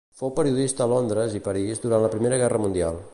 Fou periodista a Londres i París durant la Primera Guerra mundial.